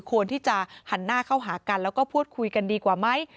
ควรที่จะหันหน้าเข้าหากันแล้วก็พูดคุยกันดีกว่าไหม